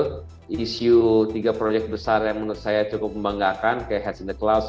makanya kayak tadi itu isu tiga proyek besar yang menurut saya cukup membanggakan kayak heads in the clouds